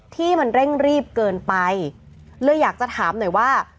ที่มันเร่งรีบเกินไปเลยอยากจะถามหน่อยว่า